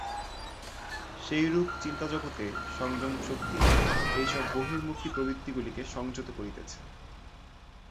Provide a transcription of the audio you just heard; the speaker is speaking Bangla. সেইরূপ চিন্তাজগতে সংযম-শক্তি এইসব বহির্মুখী প্রবৃত্তিগুলিকে সংযত করিতেছে।